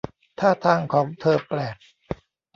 ท่าทางของเธอแปลก